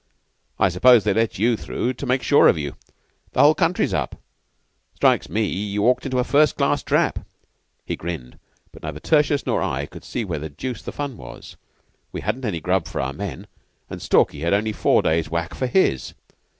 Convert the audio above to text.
I suppose they let you through to make sure of you. The whole country's up. 'Strikes me you've walked into a first class trap.' He grinned, but neither Tertius nor I could see where the deuce the fun was. We hadn't any grub for our men, and Stalky had only four days' whack for his.